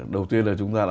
đầu tiên là chúng ta đã